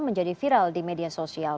menjadi viral di media sosial